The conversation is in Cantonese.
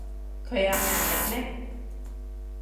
佢有牙力咩